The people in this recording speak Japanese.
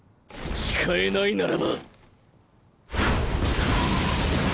誓えないならば。